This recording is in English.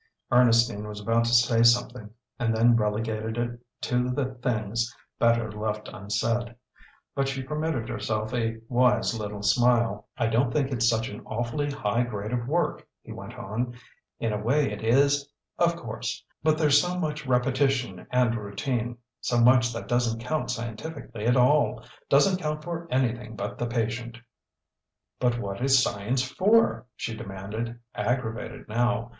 Ernestine was about to say something, and then relegated it to the things better left unsaid; but she permitted herself a wise little smile. "I don't think it's such an awfully high grade of work," he went on. "In a way it is of course. But there's so much repetition and routine; so much that doesn't count scientifically at all doesn't count for anything but the patient." "But what is science for?" she demanded, aggravated now.